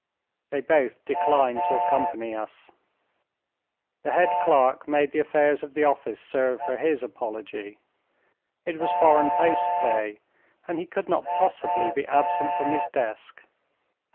They both declined to accompany us. The head clerk made the affairs of the office serve for his apology, it was foreign post day, and he could not possibly be absent from his desk.